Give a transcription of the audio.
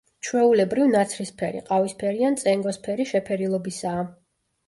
ჩვეულებრივ ნაცრისფერი, ყავისფერი ან წენგოსფერი შეფერილობისაა.